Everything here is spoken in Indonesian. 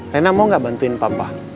rena mau gak bantuin papa